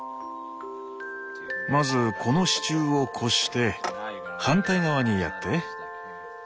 まずこの支柱を越して反対側にやって。